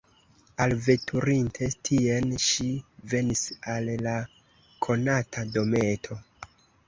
Alveturinte tien, ŝi venis al la konata dometo.